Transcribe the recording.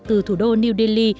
từ thủ đô new delhi